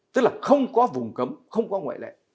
chúng ta không có vùng cấm không có ngoại lệ